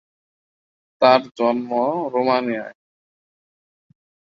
তার জন্ম রোমানিয়ায়।